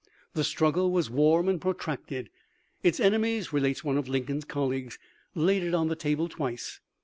The struggle was warm and protracted. " Its enemies," relates one of Lincoln's colleagues,* " laid it on the table twice.